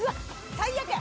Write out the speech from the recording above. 最悪や！